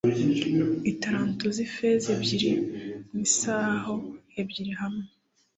italanto z ifeza ebyiri mu isaho ebyiri hamwe